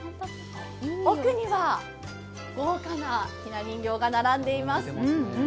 奥には豪華なひな人形が並んでいます。